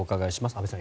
阿部さん